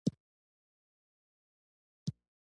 دا پروژې د صنعت د ملا تیر ګڼل کېدې.